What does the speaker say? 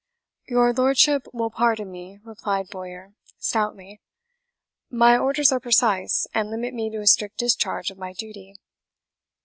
"Your lordship will pardon me," replied Bowyer stoutly; "my orders are precise, and limit me to a strict discharge of my duty."